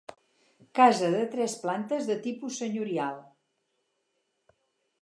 Casa de tres plantes de tipus senyorial.